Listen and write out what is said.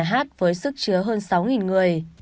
nhà hát với sức chứa hơn sáu người